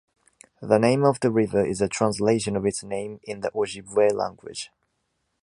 The name of the river is a translation of its name in the Ojibwe language.